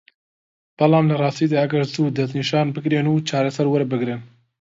بەڵام لە راستیدا ئەگەر زوو دەستنیشان بکرێن و چارەسەر وەربگرن